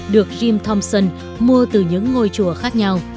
được jim thompson mua từ những ngôi chùa khác nhau